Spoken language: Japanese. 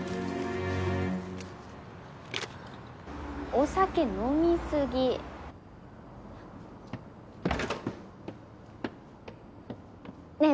・お酒飲み過ぎ・ねぇ